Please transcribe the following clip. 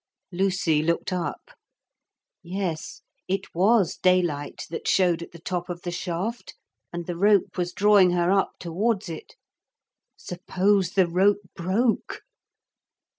Lucy looked up. Yes, it was daylight that showed at the top of the shaft, and the rope was drawing her up towards it. Suppose the rope broke?